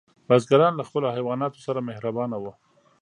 بزګران له خپلو حیواناتو سره مهربانه وو.